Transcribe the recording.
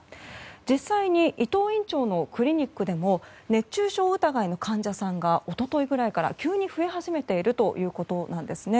実際に伊藤院長のクリニックでも熱中症疑いの患者さんが一昨日ぐらいから急に増え始めているということなんです。